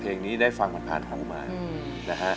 เพลงนี้ได้ฟังมันผ่านครับผมมานะฮะ